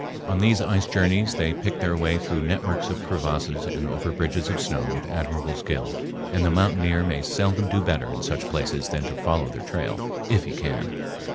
On these ice journeys they pick their way through networks of crevasses and over bridges of snow with admirable skill, and the mountaineer may seldom do better in such places than to follow their trail, if he can.